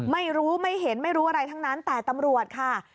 ไม่รู้ไม่เห็นไม่รู้อะไรทั้งนั้นแต่ตำรวจค่ะ